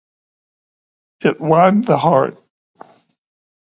It widened the heart.